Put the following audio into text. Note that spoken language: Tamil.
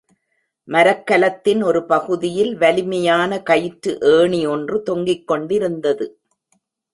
மரக்கலத்தின் ஒரு பகுதியில் வலிமையான கயிற்று ஏணி ஒன்று தொங்கிக் கொண்டிருந்தது.